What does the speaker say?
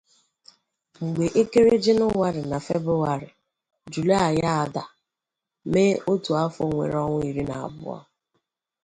Mgbe ekere "Jenụwarị" na "Febrụwarị", Julaị a-da, mee otu afo nwere onwa iri na abuo.